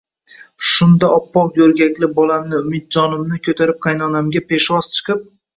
Shunda oppoq yo`rgakli bolamni Umidjonimni ko`tarib qaynonamga peshvoz chiqib